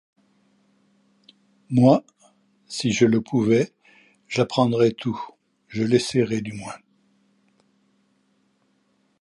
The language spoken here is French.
Moi, si je le pouvais, j'apprendrais tout, je l'essaierais du moins.